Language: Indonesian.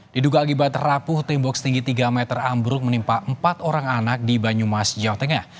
diduga akibat terapuh tembok setinggi tiga meter ambruk menimpa empat orang anak di banyumas jawa tengah